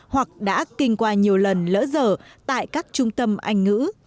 hoặc đã kinh qua nhiều lần lỡ dở tại các trung tâm anh ngữ